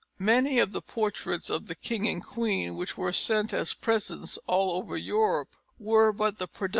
Many of the portraits of the king and queen which were sent as presents all over Europe were but the productions of his studio.